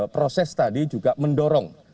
proses tadi juga mendorong